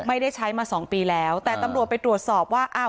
ไม่ได้ใช้มาสองปีแล้วแต่ตำรวจไปตรวจสอบว่าอ้าว